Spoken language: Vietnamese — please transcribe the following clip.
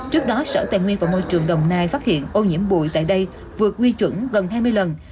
trước đó sở tài nguyên và môi trường đồng nai phát hiện ô nhiễm bụi tại đây vượt quy chuẩn gần hai mươi lần